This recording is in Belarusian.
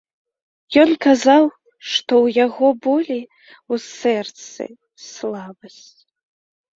Ён казаў, што ў яго болі ў сэрцы, слабасць.